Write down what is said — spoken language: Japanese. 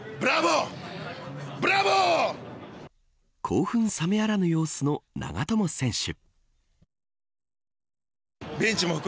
興奮冷めやらぬ様子の長友選手。